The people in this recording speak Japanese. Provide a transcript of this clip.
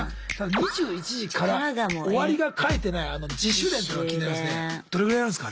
２１時から終わりが書いてないあの自主練ってのが気になりますね。